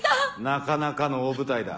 なかなかの大舞台だ。